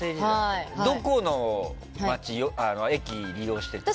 どこの駅を利用してた？